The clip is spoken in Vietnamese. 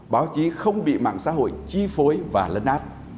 báo chí không bị mạng xã hội chi phối và lấn át